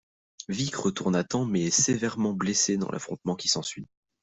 Vic retourne à temps mais est sévèrement blessée dans l'affrontement qui s'ensuit.